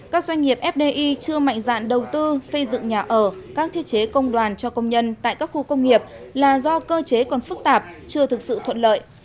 các doanh nghiệp fdi chưa mạnh dạn đầu tư xây dựng nhà ở các thiết chế công đoàn cho công nhân tại các khu công nghiệp là do cơ chế còn phức tạp chưa thực sự thuận lợi